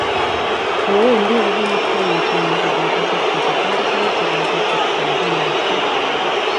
Kowendi kokanaptoi uchumi koboto sekta cheterter cheboto sekta nebo loiseet.